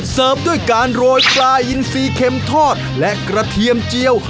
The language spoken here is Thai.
ด้วยการโรยปลายอินซีเข็มทอดและกระเทียมเจียว